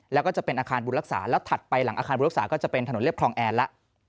แล้วก็จะเป็นอาคารบุญรักษาแล้วถัดไปหลังอาคารบุรุษาก็จะเป็นถนนเรียบคลองแอนแล้ว